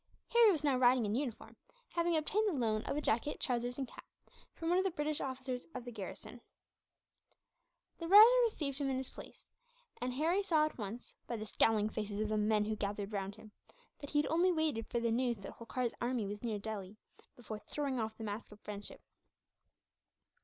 Harry was now riding in uniform, having obtained the loan of a jacket, trousers, and cap from one of the British officers of the garrison. The rajah received him in his palace; and Harry saw at once, by the scowling faces of the men who gathered round him, that he had only waited for the news that Holkar's army was near Delhi before throwing off the mask of friendship.